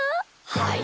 はい。